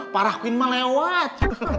parahin emak lewat